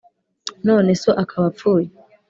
none so akaba apfuye,